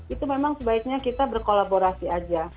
itu memang sebaiknya kita berkolaborasi aja